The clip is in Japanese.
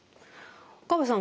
岡部さん